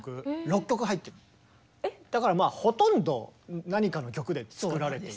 だからまあほとんど何かの曲で作られている。